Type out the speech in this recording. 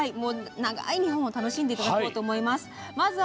長い日本を楽しんでいただこうと思います。